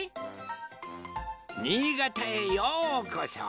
「にいがたへようこそ」。